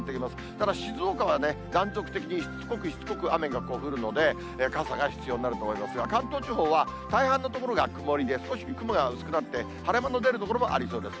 ただ静岡は、断続的にしつこくしつこく雨が降るので、傘が必要になると思いますが、関東地方は大半の所が曇りで、少し雲が薄くなって晴れ間の出る所もありそうです。